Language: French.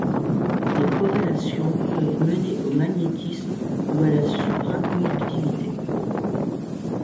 Les corrélations peuvent mener au magnétisme ou à la supraconductivité.